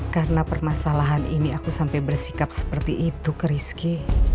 karena permasalahan ini aku sampai bersikap seperti itu ke rizky